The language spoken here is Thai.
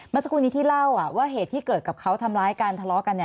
เมื่อสักครู่นี้ที่เล่าว่าเหตุที่เกิดกับเขาทำร้ายกันทะเลาะกัน